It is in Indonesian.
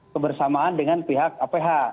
kebersamaan dengan pihak aph